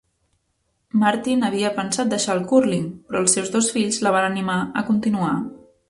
Martin havia pensat deixar el cúrling, però els seus dos fills la van animar a continuar.